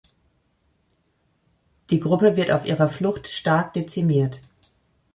Die Gruppe wird auf ihrer Flucht stark dezimiert.